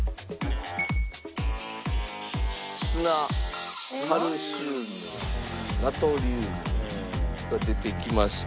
砂カルシウムナトリウムが出てきました。